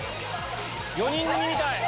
４人組みたい！